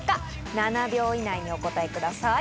７秒以内にお答えください。